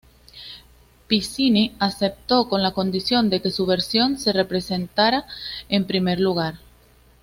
Piccinni aceptó con la condición de que su versión se representara en primer lugar.